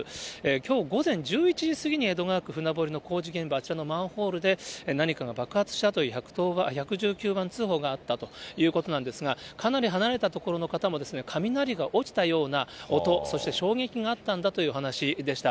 きょう午前１１時過ぎに、江戸川区船堀の工事現場、あちらのマンホールで何かが爆発したという１１９番通報があったということなんですが、かなり離れた所の方も、雷が落ちたような音、そして衝撃があったんだという話でした。